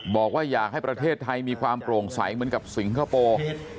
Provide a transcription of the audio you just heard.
บอกว่าอยากให้ประเทศไทยมีความโปร่งใสเหมือนกับสิงคโปร์